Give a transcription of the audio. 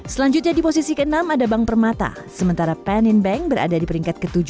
selanjutnya di posisi ke enam ada bank permata sementara panin bank berada di peringkat ke tujuh